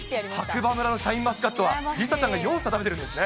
白馬村のシャインマスカットは、梨紗ちゃんがようさ食べてるんですね。